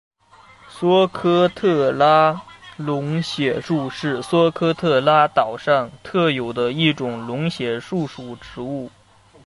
索科特拉龙血树是索科特拉岛上特有的一种龙血树属植物。